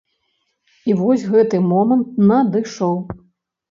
І вось гэты момант надышоў.